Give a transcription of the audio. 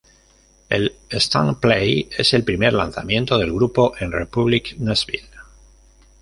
El extended play es el primer lanzamiento del grupo en Republic Nashville.